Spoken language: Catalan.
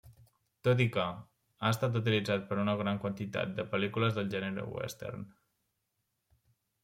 Tot i que, ha estat utilitzat per una gran quantitat de pel·lícules del gènere western.